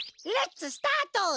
レッツスタート！